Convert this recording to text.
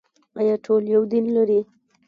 آیا ټول یو دین لري؟